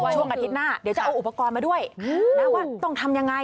ช่วงอาทิตย์หน้าเดี๋ยวจะเอาอุปกรณ์มาด้วยนะว่าต้องทำยังไง